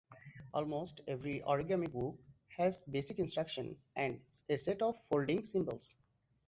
Almost every origami book has basic instructions and a set of folding symbols.